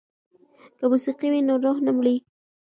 که موسیقي وي نو روح نه مري.